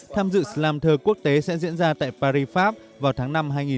tham dự slam thơ quốc tế sẽ diễn ra tại paris pháp vào tháng năm hai nghìn một mươi tám